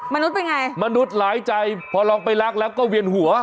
เป็นไงมนุษย์หลายใจพอลองไปรักแล้วก็เวียนหัว